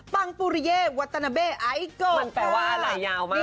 แต่ว่าทั้งหมดตอนนี้นะคะ